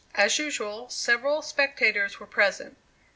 As usual, several spectators were present.